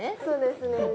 そうですね。